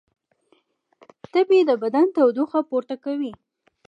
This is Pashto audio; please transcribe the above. تبې د بدن تودوخه پورته کوي